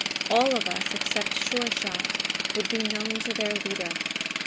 All of us, except Sure shot, would be known to their leader.